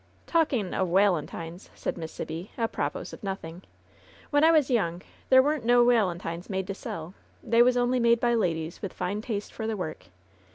"Talkin' o' walentines," said Miss Sibby, apropos of nothing, "when I was young there wa'n't no walentines made to sell. They was only made by ladies with fine taste for the work.